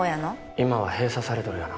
今は閉鎖されとるよな？